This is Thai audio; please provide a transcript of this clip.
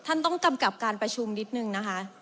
ท่านต้องกำกับการประชุมนิดนึงนะคะ